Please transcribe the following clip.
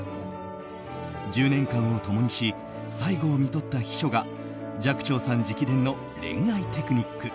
１０年間を共にし最期をみとった秘書が寂聴さん直伝の恋愛テクニック。